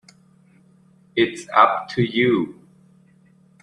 It's up to you.